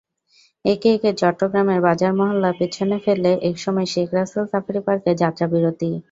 একে একে চট্টগ্রামের বাজার-মহল্লা পেছনে ফেলে একসময় শেখ রাসেল সাফারি পার্কে যাত্রাবিরতি।